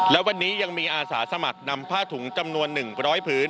แล้ววันนี้ยังมีอาสาสมัครนำผ้าถุงจำนวนหนึ่งร้อยผืน